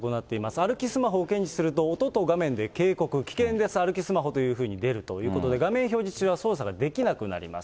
歩きスマホを検知すると、音と画面で警告、危険です、歩きスマホというふうに出るということで、画面表示中は操作ができなくなります。